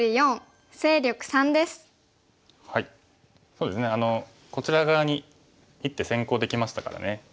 そうですねこちら側に１手先行できましたからね。